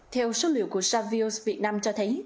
theo số liệu của savios việt nam cho thấy